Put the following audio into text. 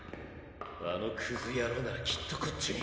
あのクズ野郎ならきっとこっちに。